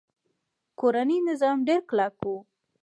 کورنۍ نظام ډیر کلک و